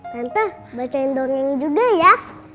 tante bacain dong ini juga ya